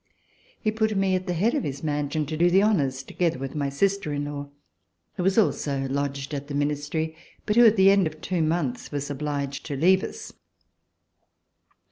He put me at the head of his mansion to do the honors, together with my sister in law, who was also lodged at the Ministry, hut who, at the end of two months, was obliged to leave us.